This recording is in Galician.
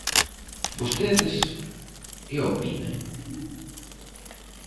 Vostedes ¿que opinan?